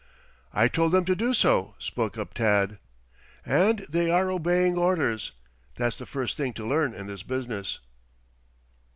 "I told them to do so," spoke up Tad. "And they are obeying orders. That's the first thing to learn in this business."